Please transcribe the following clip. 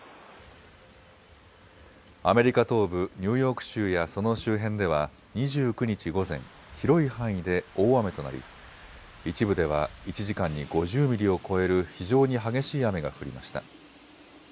アメリカ東部ニューヨーク州やその周辺では２９日午前、広い範囲で大雨となり一部では１時間に５０ミリを超える非常に激しい雨が降りました。